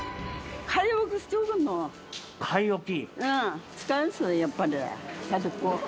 買い置き？